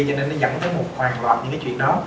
cho nên nó dẫn tới một hoàn loạn những chuyện đó